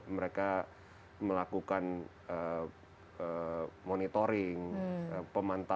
mereka melakukan monitoring pemantauan